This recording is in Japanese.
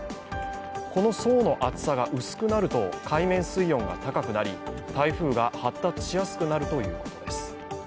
この層の厚さが薄くなると海面水温が高くなり台風が発達しやすくなるということです。